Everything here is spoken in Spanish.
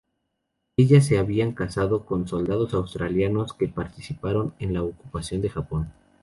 Ellas se habían casado son soldados australianos que participaron en la ocupación de Japón.